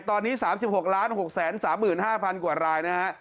ตอนนี้๓๖๖๓๕๐๐๐รายนะครับ